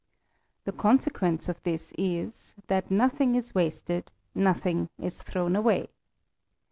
The consequence of this is, that nothing is wasted, nothing is thrown away.